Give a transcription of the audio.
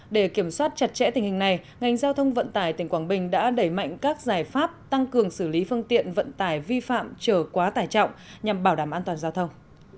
để kiểm soát chặt chẽ tình hình này ngành giao thông vận tải tỉnh quảng bình đã đẩy mạnh các giải pháp tăng cường xử lý phương tiện vận tải vi phạm trở quá tải trọng nhằm bảo đảm an toàn giao thông